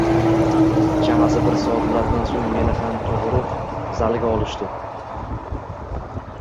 Chamasi bir soatlardan so`ng meni ham tug`uruq zaliga olishdi